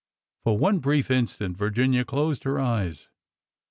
For one brief instant, Virginia closed her eyes.